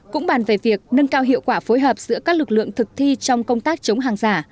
cũng bàn về việc nâng cao hiệu quả phối hợp giữa các lực lượng thực thi trong công tác chống hàng giả